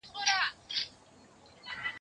لونگۍ چي د سره ولوېږي، پر اوږو تکيه کېږي.